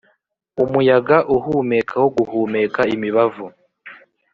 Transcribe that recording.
umuyaga uhumeka wo guhumeka imibavu,